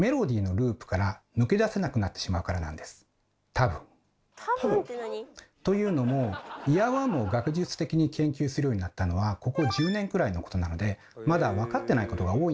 たぶん？というのもイヤーワームを学術的に研究するようになったのはここ１０年くらいのことなのでまだわかってないことが多いんですよ。